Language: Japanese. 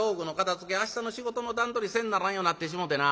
明日の仕事の段取りせんならんようになってしもうてな。